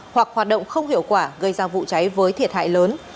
hoặc hoạt động không hiệu quả gây ra vụ cháy với thiệt hại lớn